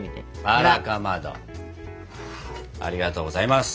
ありがとうございます。